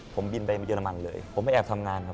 ผมบินไปเยอรมันเลยผมไปแอบทำงานครับ